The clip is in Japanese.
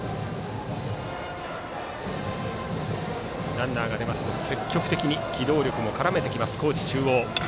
ランナーが出ますと積極的に機動力を絡める高知中央。